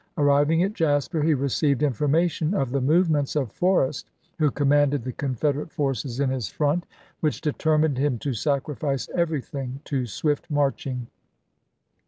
Arriving at Jasper he received information of the movements of Forrest, who commanded the Confederate forces in his front, which determined him to sacrifice everything to swift marching.